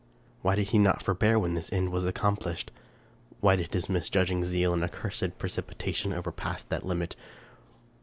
Why did he not forbear when this end was accomplished ? Why did his misjudging zeal and accursed precipitation overpass that limit